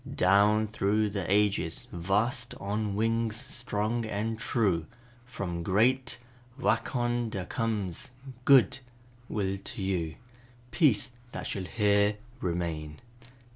"Down through the ages vast On wings strong and true, From great Wa kon da comes Good will to you Peace that shall here remain."